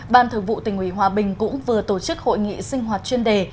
ban thường vụ tỉnh ủy hòa bình cũng vừa tổ chức hội nghị sinh hoạt chuyên đề